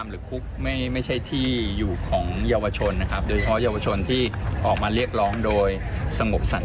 และดูแรมประกุ้มเขาด้วยซ้ำ